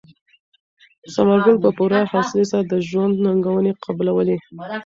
ثمر ګل په پوره حوصلې سره د ژوند ننګونې قبلولې.